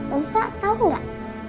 omsal tau gak